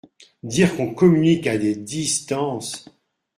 Dire qu’on communique à des distances !…